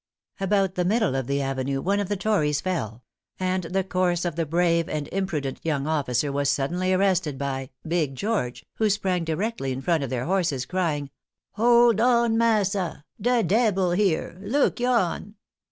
About the middle of the avenue one of the tories fell; and the course of the brave and imprudent young officer was suddenly arrested by "Big George," who sprang directly in front of their horses, crying, "Hold on, massa! de debbil here! Look yon!"